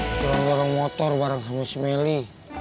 sekarang dorong motor bareng sama si meli